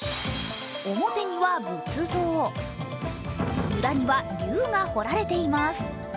表には仏像、裏には龍が掘られています。